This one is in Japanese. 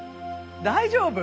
大丈夫？